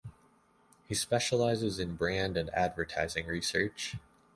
He specializes in brand and advertising research.